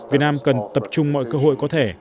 việt nam cần tập trung mọi cơ hội có thể